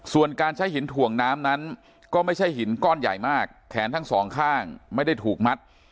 ส่วนการใช้หินถ่วงน้ำนั้นก็ไม่ใช่หินก้อนใหญ่มากแขนทั้งสองข้างไม่ได้ถูกมัด